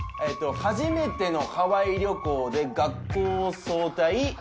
初めてのハワイ旅行で学校を早退。